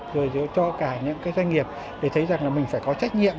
rồi cho cả những cái doanh nghiệp để thấy rằng là mình phải có trách nhiệm